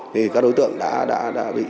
thì các đối tượng đã bị